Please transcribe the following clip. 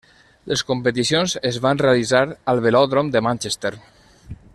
Les competicions es van realitzar al Velòdrom de Manchester.